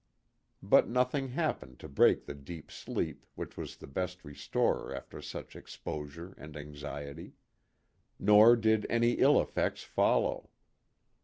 But nothing happened to break the deep sleep which was the best restorer after such exposure and anxiety. Nor did any ill effects follow.